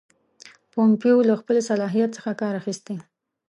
پومپیو له خپل صلاحیت څخه کار اخیستی.